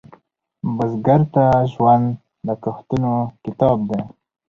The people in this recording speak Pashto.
بزګر ته ژوند د کښتونو کتاب دی